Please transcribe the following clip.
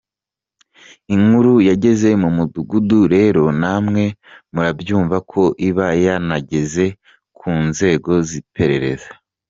Inkuru yageze mu mudugudu rero namwe murabyumva ko iba yanageze ku nzego z’iperereza.